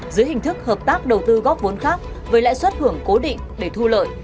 dưới hình thức hợp tác đầu tư góp vốn khác với lẽ xuất hưởng cố định để thu lợi